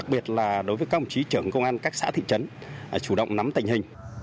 các ông chí trưởng công an các xã thị trấn chủ động nắm tình hình